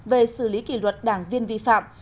về xử lý kỷ luật đảng viên vi phạm